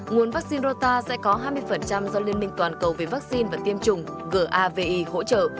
nguồn vaccine rota sẽ có hai mươi do liên minh toàn cầu về vaccine và tiêm chủng gavi hỗ trợ